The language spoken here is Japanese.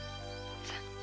さあ。